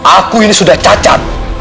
aku ini sudah cacat